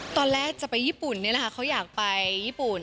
ตอนแรกจะไปญี่ปุ่นนี่แหละค่ะเขาอยากไปญี่ปุ่น